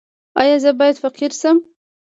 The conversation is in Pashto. ایا زه باید فقیر شم؟